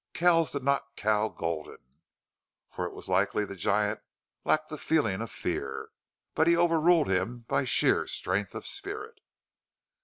Kells did not cow Gulden for it was likely the giant lacked the feeling of fear but he overruled him by sheer strength of spirit.